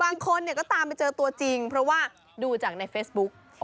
บางคนก็ตามไปเจอตัวจริงเพราะว่าดูจากในเฟซบุ๊ก